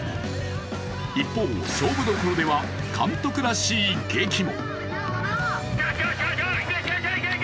一方、勝負どころでは監督らしい檄も。